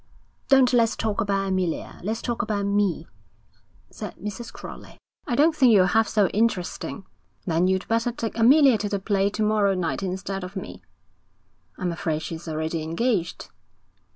'Don't let's talk about Amelia; let's talk about me,' said Mrs. Crowley. 'I don't think you're half so interesting.' 'Then you'd better take Amelia to the play to morrow night instead of me.' 'I'm afraid she's already engaged.'